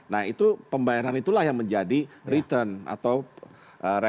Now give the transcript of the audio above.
nah itu pembayaran itulah yang menjadi return atau revenue dari vat